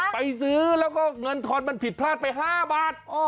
ไปซื้อแล้วก็เงินทอนมันผิดพลาดไป๕บาท